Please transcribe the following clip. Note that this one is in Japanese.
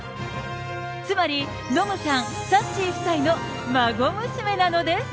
つまりノムさん、サッチー夫妻の孫娘なのです。